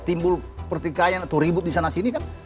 timbul pertikaian atau ribut di sana sini kan